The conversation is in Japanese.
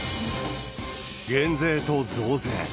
減税と増税。